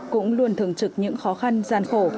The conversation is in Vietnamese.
cũng luôn thường trực những khó khăn gian khổ